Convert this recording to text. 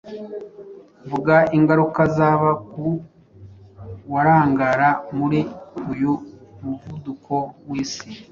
Vuga ingaruka zaba ku warangara muri uyu muvuduko w’isi.